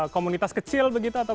komunitas kecil begitu atau